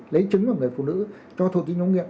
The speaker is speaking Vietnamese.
lấy trứng của người phụ nữ cho thuộc tinh công nghiệp